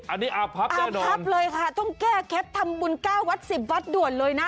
อันนี้อาพรับแน่นอนอาพรับเลยค่ะต้องแก้แค้นทำบุญ๙วัตต์๑๐วัตต์ด่วนเลยนะ